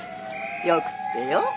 よくってよ。